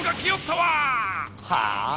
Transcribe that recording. はあ